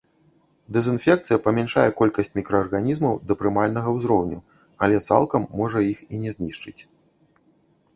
Дэзінфекцыя памяншае колькасць мікраарганізмаў да прымальнага ўзроўню, але цалкам можа іх і не знішчыць.